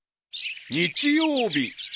［日曜日］